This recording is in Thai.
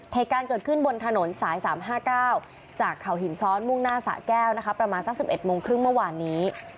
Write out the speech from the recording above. เหตุการณ์เกิดขึ้นบนถนนสาย๓๕๙จากเขาหินซ้อนมุ่งหน้าสะแก้วนะคะประมาณสัก๑๑โมงครึ่งเมื่อวานนี้